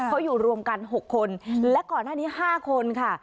เขาอยู่รวมกัน๖คนและก่อนหน้านี้๕คนค่ะ